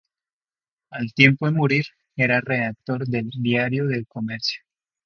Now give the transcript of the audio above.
Al tiempo de morir era redactor del "Diario de Comercio".